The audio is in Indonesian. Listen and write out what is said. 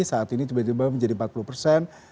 saat ini tiba tiba menjadi empat puluh persen